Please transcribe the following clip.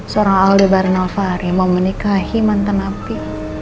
seorang aldebaran alvari yang mau menikahi mantan api